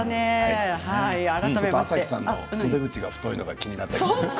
朝日さんの袖口が太いのが気になって。